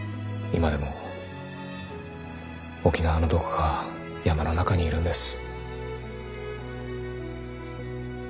今でも沖縄のどこか山の中にいるんです。